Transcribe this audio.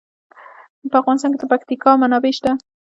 په افغانستان کې د پکتیکا منابع شته.